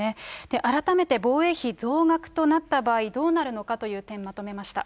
改めて防衛費増額となった場合、どうなるのかという点、まとめま